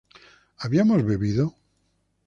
¿habíamos bebido?